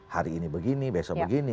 hari ini begini besok begini